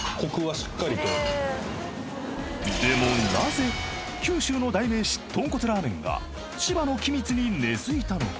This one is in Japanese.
でもなぜ九州の代名詞豚骨ラーメンが千葉の君津に根付いたのか？